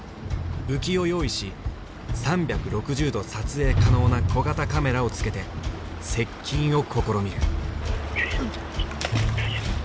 浮きを用意し３６０度撮影可能な小型カメラをつけて接近を試みる。